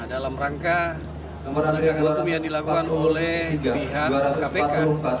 dalam rangka penegakan hukum yang dilakukan oleh pihak kpk